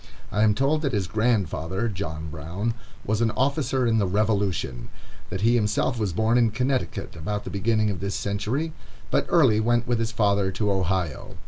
I am told that his grandfather, John Brown, was an officer in the Revolution; that he himself was born in Connecticut about the beginning of this century, but early went with his father to Ohio.